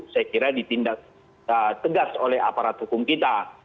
saya kira ditindak tegas oleh aparat hukum kita